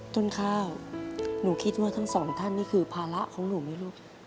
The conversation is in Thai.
ต้นข้าวหนูคิดว่าทั้งสองท่านนี่คือภาระของหนูไหมลูก